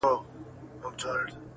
تر قیامته به پر خړو خاورو پلن یو -